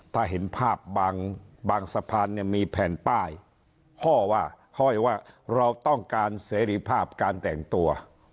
ถ้าเห็นภาพบางสะพานเนี่ยมีแผ่นป้ายห้อว่าห้อยว่าเราต้องการเสรีภาพการแต่งตัว